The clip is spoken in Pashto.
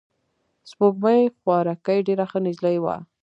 سپوږمۍ خوارکۍ ډېره ښه نجلۍ وه.